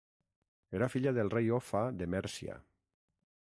Era filla del rei Offa de Mèrcia.